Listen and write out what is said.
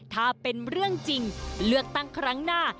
ถ้าเป็นเรื่องจริงเลือกตั้งครั้งหน้า